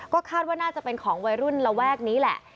ก็คาดว่าน่าจะเป็นของวัยรุ่นระแวกนี้แหละ